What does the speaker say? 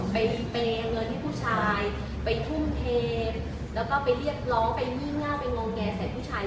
ไปเปย์เงินให้ผู้ชายไปทุ่มเทแล้วก็ไปเรียกร้องไปงี้หน้าไปงอแงใส่ผู้ชาย